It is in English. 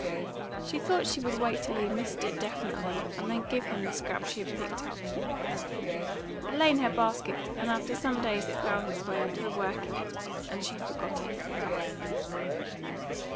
She thought she would wait till he missed it definitely, and then give him the scrap she had picked up. It lay in her basket, and after some days it found its way under the work in it, and she forgot it.